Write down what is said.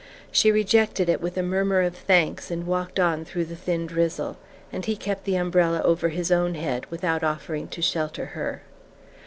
She rejected it with a murmur of thanks and walked on through the thin drizzle, and he kept the umbrella over his own head, without offering to shelter her.